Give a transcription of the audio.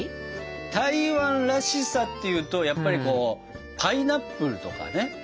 台湾らしさっていうとやっぱりこうパイナップルとかね。